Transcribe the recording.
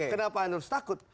kenapa anda harus takut